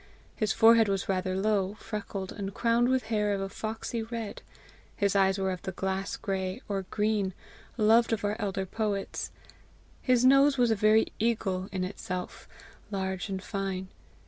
His forehead was rather low, freckled, and crowned with hair of a foxy red; his eyes were of the glass gray or green loved of our elder poets; his nose was a very eagle in itself large and fine.